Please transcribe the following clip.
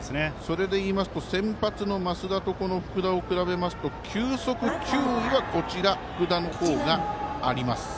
それでいいますと先発の増田と福田を比べると球速、球威は福田の方があります。